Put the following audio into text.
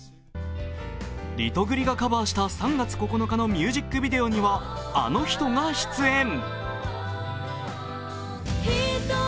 リトグリがカバーした「３月９日」のミュージックビデオにはあの人が出演。